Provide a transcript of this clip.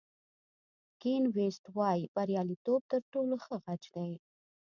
کین ویست وایي بریالیتوب تر ټولو ښه غچ دی.